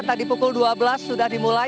tadi pukul dua belas sudah dimulai